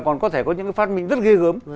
còn có thể có những cái phát minh rất ghê gớm